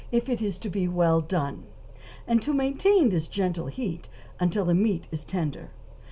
if it is to be well done; and to maintain this gentle heat until the meat is tender.